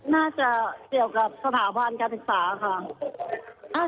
น่าจะเกี่ยวกับสถาบันการศึกษาค่ะ